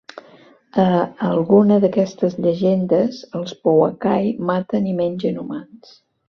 A alguna d'aquestes llegendes, els pouakai maten i mengen humans.